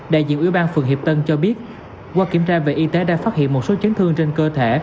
đại diện ủy ban phường hiệp tân cho biết qua kiểm tra về y tế đã phát hiện một số chấn thương trên cơ thể